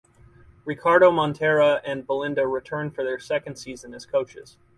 Ricardo Montaner and Belinda returned for their second season as coaches.